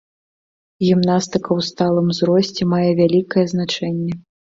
Гімнастыка ў сталым узросце мае вялікае значэнне.